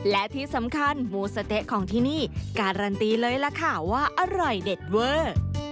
และที่สำคัญหมูสะเต๊ะของที่นี่การันตีเลยล่ะค่ะว่าอร่อยเด็ดเวอร์